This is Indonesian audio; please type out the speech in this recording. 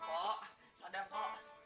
pok sadar pok